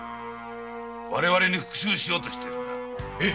我々に復讐しようとしているのだ。